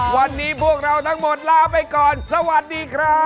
วันนี้พวกเราทั้งหมดลาไปก่อนสวัสดีครับ